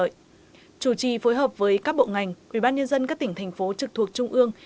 bộ tài chính chủ trì khẩn trương phối hợp với các bộ ngành ubnd các tỉnh thành phố trực thuộc trung ương